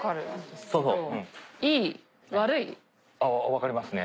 分かりますね。